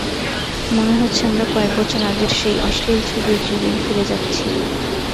মনে হচ্ছে, আমরা কয়েক বছর আগের সেই অশ্লীল ছবির যুগেই ফিরে যাচ্ছি।